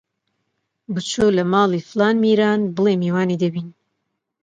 بچۆ لە ماڵی فڵان میران بڵێ میوانی دەبین!